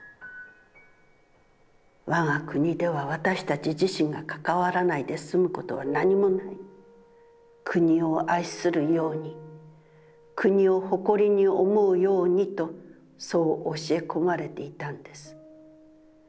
わが国では私たち自身が関わらないですむことは何もない、国を愛するように、国を誇りに思うようにと、そう教え込まれていたんです。